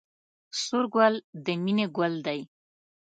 سور ګل د مینې ګل دی